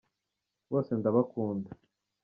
bose ndabakunda.